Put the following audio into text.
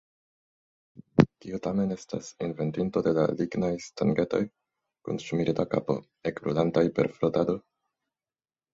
Kiu tamen estas inventinto de la lignaj stangetoj kun ŝmirita kapo, ekbrulantaj per frotado?